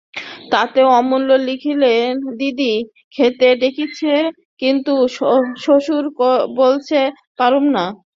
তাতে অমূল্য লিখেছে, দিদি, খেতে ডেকেছিলে, কিন্তু সবুর করতে পারলুম না।